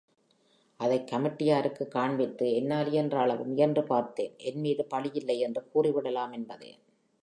அதைக் கமிட்டி யாருக்குக் காண்பித்து, என்னாலியன்ற அளவு முயன்று பார்த்தேன், என்மீது பழியில்லை என்று கூறிவிடலாம் என்பதே.